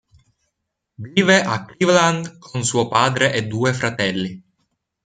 Vive a Cleveland con suo padre e due fratelli.